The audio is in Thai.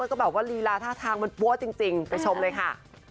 แล้วก็แบบว่าลีลาท่าทางมันปั้วจริงไปชมเลยค่ะ